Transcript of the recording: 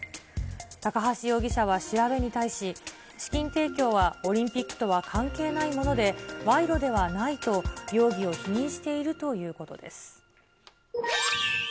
高橋容疑者は調べに対し、資金提供はオリンピックとは関係ないもので、賄賂ではないと容疑を否認しているということです。